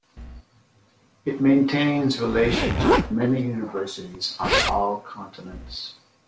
It maintains relations with many universities on all continents.